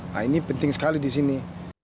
nah ini penting sekali di sini